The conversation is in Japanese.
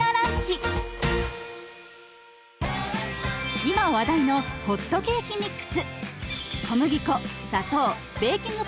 今話題のホットケーキミックス。